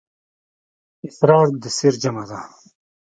اسرار د سِر جمعه ده.